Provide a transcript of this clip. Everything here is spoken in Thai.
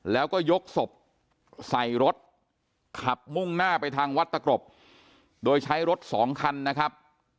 แล้วก็ยกศพใส่รถขับมุ่งหน้าไปทางวัดตะกรบโดยใช้รถสองคันนะครับ